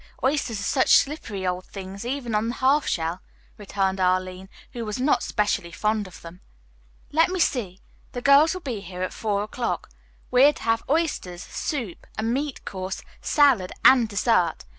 Oysters are such slippery old things, even on the half shell," returned Arline, who was not specially fond of them. "Let me see. The girls will be here at four o'clock. We are to have oysters, soup, a meat course, salad and dessert.